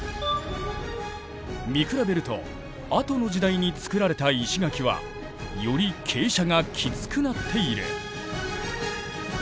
見比べるとあとの時代に造られた石垣はより傾斜がきつくなっている。